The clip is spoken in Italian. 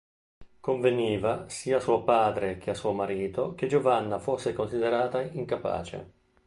Conveniva sia a suo padre che a suo marito che Giovanna fosse considerata incapace.